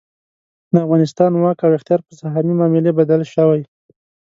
د افغانستان واک او اختیار په سهامي معاملې بدل شوی.